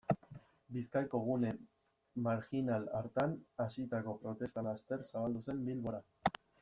Bizkaiko gune marjinal hartan hasitako protesta laster zabaldu zen Bilbora.